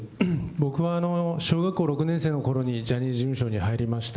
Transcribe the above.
僕は小学校６年生のころにジャニーズ事務所に入りました。